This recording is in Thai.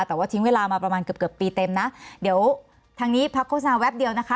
แต่ว่าทิ้งเวลามาประมาณเกือบเกือบปีเต็มนะเดี๋ยวทางนี้พักโฆษณาแวบเดียวนะคะ